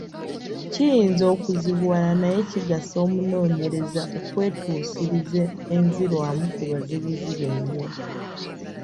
Kiyinza okuzibuwala naye kigasa omunoonyereza okwetuusiriza enzirwamu ku bazibuzi bennyini.